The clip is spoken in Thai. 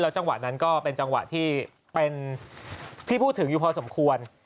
แล้วจังหวะนั้นก็เป็นจังหวะที่พูดถึงอยู่พอสมควร